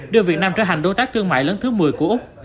đưa việt nam trở thành đối tác thương mại lớn thứ một mươi của úc